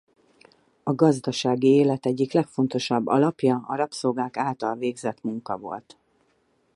A gazdasági élet egyik legfontosabb alapja a rabszolgák által végzett munka volt.